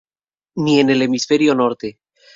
Ni en el hemisferio Norte.